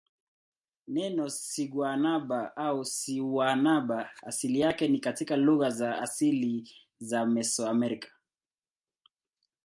Neno siguanaba au sihuanaba asili yake ni katika lugha za asili za Mesoamerica.